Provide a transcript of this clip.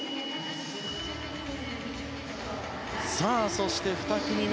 そして、２組目。